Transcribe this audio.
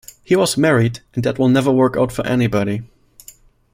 He was married, and that will never work out for anybody.